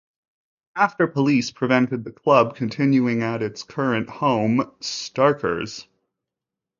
After police prevented the club continuing at its current home Starkers!